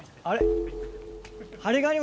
あれ？